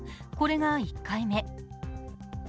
これが１回目。